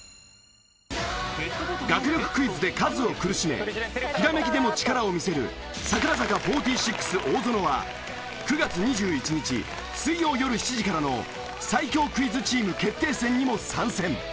学力クイズでカズを苦しめひらめきでも力を見せる櫻坂４６大園は９月２１日水曜よる７時からの最強クイズチーム決定戦にも参戦。